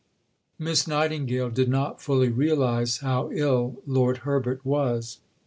Miss Nightingale did not fully realize how ill Lord Herbert was.